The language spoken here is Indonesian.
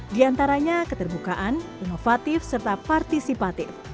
di antaranya keterbukaan inovatif serta partisipatif